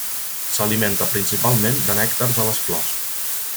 S'alimenta principalment de nèctar de les flors.